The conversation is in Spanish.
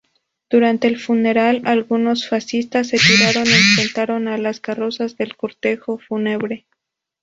Durante el funeral, algunos fascistas se tiraron enfrentaron a las carrozas del cortejo fúnebre.